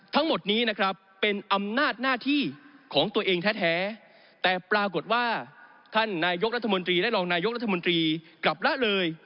ทั้งหมดนี้นะครับเป็นอำนาจหน้าที่ของตัวเองแท้แต่ปรากฏว่าท่านนายกรัฐมนตรีและรองนายกรัฐมนตรีกลับละเลย